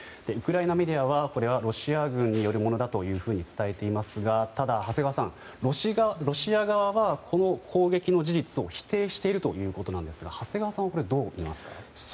ウクライナメディアはこれはロシア軍によるものだと伝えていますがただ、長谷川さん、ロシア側はこの攻撃の事実を否定しているということですが長谷川さんはどうみますか？